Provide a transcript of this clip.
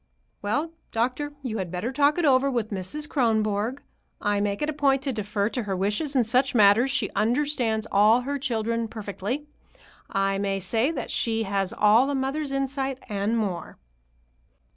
"Well, doctor, you had better talk it over with Mrs. Kronborg. I make it a point to defer to her wishes in such matters. She understands all her children perfectly. I may say that she has all a mother's insight, and more."